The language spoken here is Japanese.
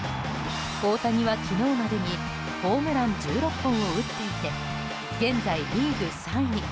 大谷は昨日までにホームラン１６本を打っていて現在、リーグ３位。